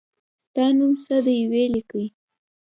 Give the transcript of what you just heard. ستا نوم څه دی وي لیکی